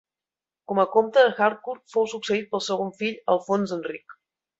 Com a comte d'Harcourt fou succeït pel seu segon fill, Alfons Enric.